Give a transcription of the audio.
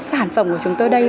sản phẩm của chúng tôi đây